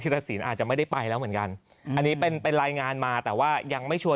รสินอาจจะไม่ได้ไปแล้วเหมือนกันอันนี้เป็นเป็นรายงานมาแต่ว่ายังไม่ชวน